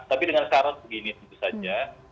tapi dengan syarat begini tentu saja